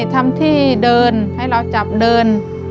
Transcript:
ทำที่เดินให้เราจับเดิน